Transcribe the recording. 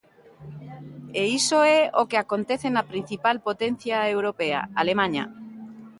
E iso é o que acontece na principal potencia europea, Alemaña.